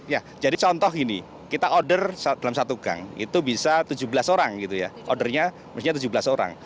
ya jadi contoh gini kita order dalam satu gang itu bisa tujuh belas orang gitu ya ordernya mestinya tujuh belas orang